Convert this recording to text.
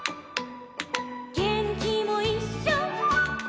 「げんきもいっしょ」